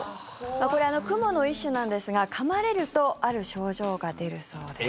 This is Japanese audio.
これはクモの一種なんですがかまれるとある症状が出るそうです。